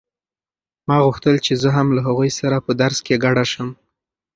ما غوښتل چې زه هم له هغوی سره په درس کې ګډه شم.